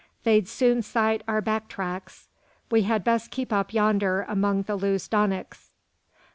They'd soon sight our back tracks. We had best keep up yander among the loose donicks."